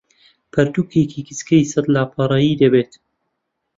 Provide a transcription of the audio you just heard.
پەرتووکێکی گچکەی سەد لاپەڕەیی دەبێت